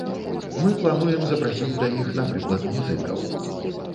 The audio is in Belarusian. Мы плануем запрасіць да іх, напрыклад, музыкаў.